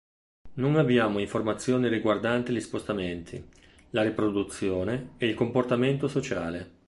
Non abbiamo informazioni riguardanti gli spostamenti, la riproduzione e il comportamento sociale.